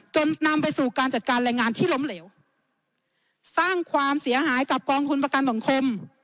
จนนำไปสู่การจัดการแรงงานที่ล้มเหลวสร้างความเสียหายกับกองทุนประกันสังคม